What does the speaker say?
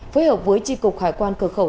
phối hợp với tri cục khải quan cửa khẩu